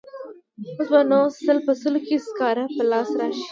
اوس به نو سل په سلو کې سکاره په لاس راشي.